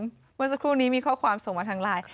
เมื่อสักครู่นี้มีข้อความส่งมาทางไลน์